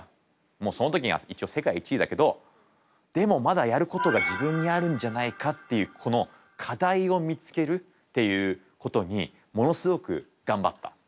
もうその時には一応世界１位だけどでもまだやることが自分にあるんじゃないかっていうこの課題を見つけるっていうことにものすごく頑張った。